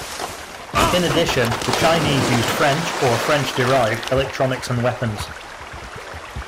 In addition, the Chinese used French, or French-derived, electronics and weapons.